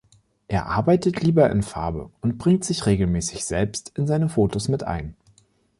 Er arbeitet lieber in Farbe und bringt sich regelmäßig selbst in seine Fotos mit ein.